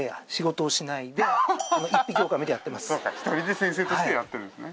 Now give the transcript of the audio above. そっか１人で先生としてやってるんですね。